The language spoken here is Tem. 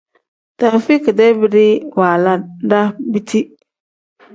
Taufik-dee biidi waala daa biti.